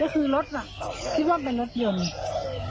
ก็คือรถน่ะคิดว่าเป็นรถยนต์